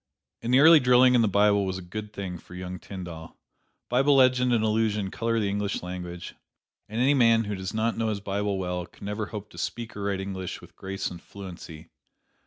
And the early drilling in the Bible was a good thing for young Tyndall. Bible legend and allusion color the English language, and any man who does not know his Bible well, can never hope to speak or write English with grace and fluency.